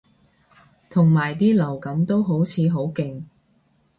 同埋啲流感都好似好勁